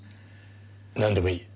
なんでもいい。